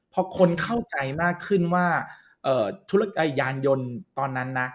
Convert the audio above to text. พอคนเข้าใจมากขึ้นว่าธุรกิจยานยนต์ตอนนั้นนะ